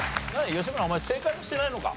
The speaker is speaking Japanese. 吉村お前正解もしてないのか。